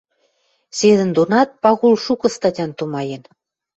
Седӹндонат Пагул шукы статян тумаен.